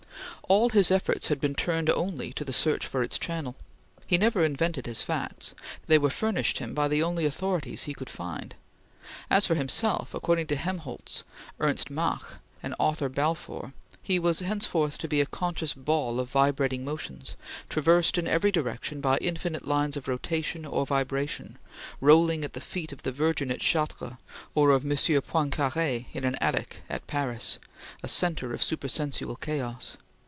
All his efforts had been turned only to the search for its channel. He never invented his facts; they were furnished him by the only authorities he could find. As for himself, according to Helmholz, Ernst Mach, and Arthur Balfour, he was henceforth to be a conscious ball of vibrating motions, traversed in every direction by infinite lines of rotation or vibration, rolling at the feet of the Virgin at Chartres or of M. Poincare in an attic at Paris, a centre of supersensual chaos.